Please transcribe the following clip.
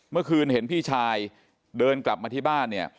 เมื่อคืนเห็นพี่ชายเดินกลับมาที่บ้านเนี่ย